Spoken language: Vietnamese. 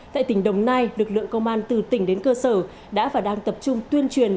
tại tỉnh đồng nai lực lượng công an từ tỉnh đến cơ sở đã và đang tập trung tuyên truyền